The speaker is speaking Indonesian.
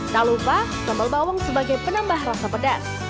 tak lupa sambal bawang sebagai penambah rasa pedas